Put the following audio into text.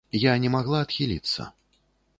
Я не магла адхіліцца.